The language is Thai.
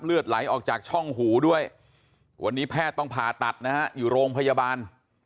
เลือดไหลออกจากช่องหูด้วยวันนี้แพทย์ต้องผ่าตัดนะฮะอยู่โรงพยาบาล